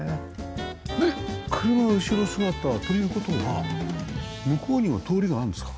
で車は後ろ姿という事は向こうにも通りがあるんですか？